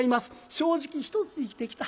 正直一つ生きてきた。